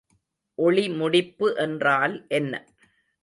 ஒளிமுடிப்பு என்றால் என்ன?